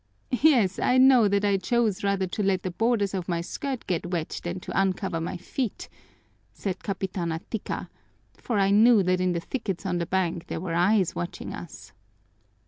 "Yes, I know that I chose rather to let the borders of my skirt get wet than to uncover my feet," said Capitana Tika, "for I knew that in the thickets on the bank there were eyes watching us."